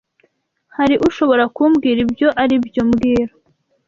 Hari ushobora kumbwira ibyo aribyo mbwira